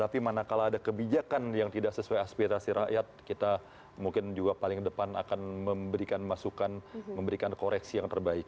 tapi manakala ada kebijakan yang tidak sesuai aspirasi rakyat kita mungkin juga paling depan akan memberikan masukan memberikan koreksi yang terbaik